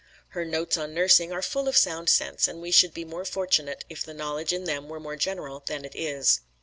Her "Notes on Nursing" are full of sound sense and we should be more fortunate if the knowledge in them were more general than it is.